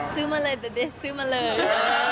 ซื้อมาเลยเบเบซื้อมาเลย